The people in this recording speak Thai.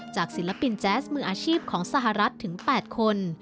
ศิลปินแจ๊สมืออาชีพของสหรัฐถึง๘คน